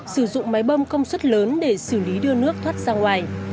sử dụng máy bâm công suất lớn để xử lý đưa nước thoát sang ngoài